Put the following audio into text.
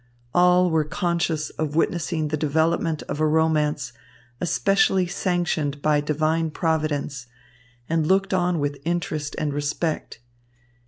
All were conscious of witnessing the development of a romance especially sanctioned by Divine Providence, and looked on with interest and respect.